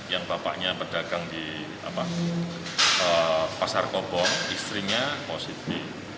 yang bapaknya pedagang di pasar kobor istrinya positif